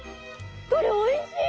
これおいしい！